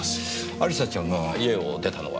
亜里沙ちゃんが家を出たのは？